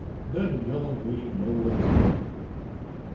Doesn't Yung Wing know us yet?